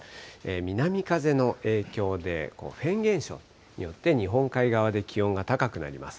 南風の影響で、フェーン現象によって日本海側で気温が高くなります。